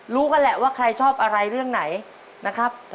รู้กันแหละว่าใครชอบอะไรเรื่องไหนนะครับ